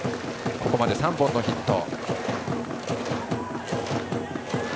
ここまで３本のヒット。